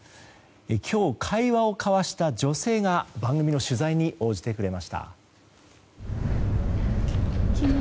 今日、会話を交わした女性が番組の取材に応じてくれました。